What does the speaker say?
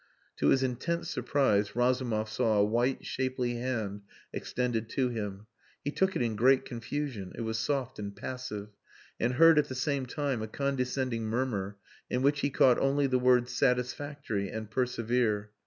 To his intense surprise Razumov saw a white shapely hand extended to him. He took it in great confusion (it was soft and passive) and heard at the same time a condescending murmur in which he caught only the words "Satisfactory" and "Persevere."